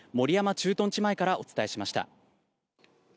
駐屯地前からお伝えしました。